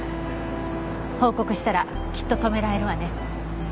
報告したらきっと止められるわね。